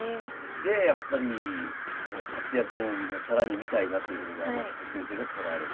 でやっぱり活躍も更に見たいなということで天彦先生が取られて。